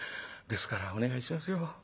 ですからお願いしますよ。